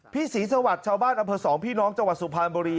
ศรีสวัสดิ์ชาวบ้านอำเภอสองพี่น้องจังหวัดสุพรรณบุรี